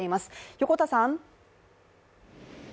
横田さん。